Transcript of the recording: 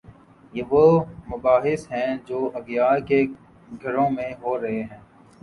یہ وہ مباحث ہیں جو اغیار کے گھروں میں ہو رہے ہیں؟